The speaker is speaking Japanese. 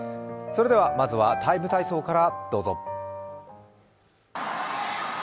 それではまずは「ＴＩＭＥ，体操」からどうぞ。